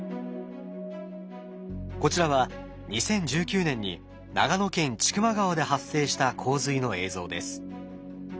こちらは２０１９年に長野県千曲川で発生した洪水の映像です。